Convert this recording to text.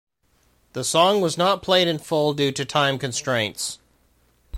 The song was not played in full due to time constraints.